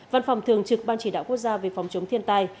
văn phòng thường trực ban chỉ đạo quốc gia về phòng chống thiên tai